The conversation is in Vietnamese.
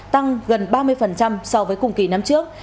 tăng gần ba mươi so với cùng kỳ năm trước